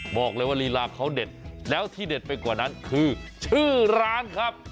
บอกเลยว่าลีลาเขาเด็ดแล้วที่เด็ดไปกว่านั้นคือชื่อร้านครับ